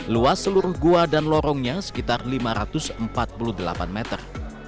luas seluruh gua dan lorongnya sekitar lima ratus empat puluh delapan meter